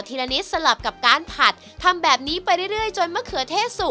ละนิดสลับกับการผัดทำแบบนี้ไปเรื่อยจนมะเขือเทศสุก